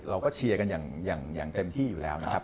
เราก็เชียร์กันอย่างเต็มที่อยู่แล้วนะครับ